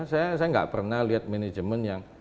saya nggak pernah lihat manajemen yang